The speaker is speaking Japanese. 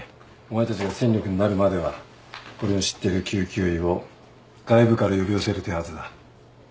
お前たちが戦力になるまでは俺の知ってる救急医を外部から呼び寄せる手はずだ。